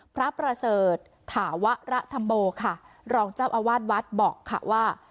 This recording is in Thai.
พระประเสริฐถาวรธรรมโมค่ะรองเจ้าอาวาสวัดบอกค่ะว่า